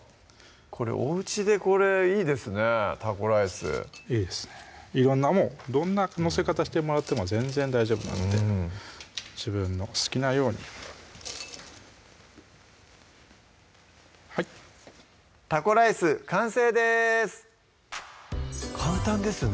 おうちでこれいいですね「タコライス」いいですね色んなものどんな載せ方してもらっても全然大丈夫なので自分のお好きなようにはい「タコライス」完成です簡単ですね